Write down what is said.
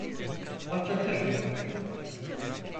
Atlatırım.